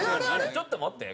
ちょっと待って。